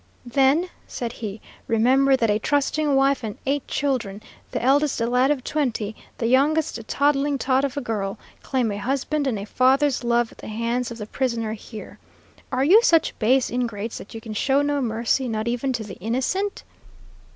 "Then," said he, "remember that a trusting wife and eight children, the eldest a lad of twenty, the youngest a toddling tot of a girl, claim a husband and a father's love at the hands of the prisoner here. Are you such base ingrates that you can show no mercy, not even to the innocent?"